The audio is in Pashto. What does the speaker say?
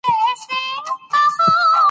هندوکش د افغانستان د اقلیم ځانګړتیا ده.